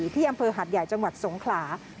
ที่อำเภอหัดใหญ่จังหวัดสงขลา